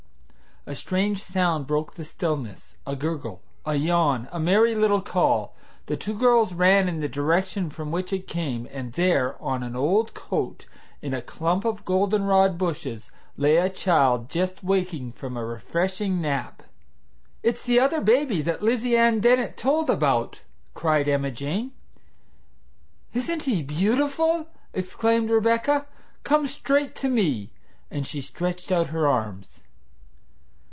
A strange sound broke the stillness; a gurgle, a yawn, a merry little call. The two girls ran in the direction from which it came, and there, on an old coat, in a clump of goldenrod bushes, lay a child just waking from a refreshing nap. "It's the other baby that Lizy Ann Dennett told about!" cried Emma Jane. "Isn't he beautiful!" exclaimed Rebecca. "Come straight to me!" and she stretched out her arms.